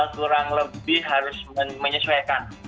kurang lebih harus menyesuaikan